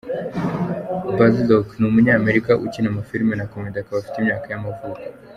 Bullock: Ni umunyamerika ukina amafilime na Comedy akaba afite imyaka y’amavuko.